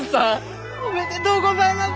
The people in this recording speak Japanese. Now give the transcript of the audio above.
おめでとうございます！